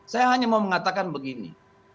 saya hanya mau mengatakan begini